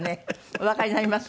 おわかりになります？